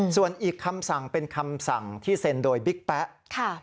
ส่วนอีกคำสั่งเป็นคำสั่งที่เซ็นโดยบิ๊กแป๊ะ